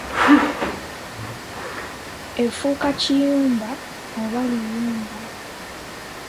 Efuuka kiyumba oba liyumba.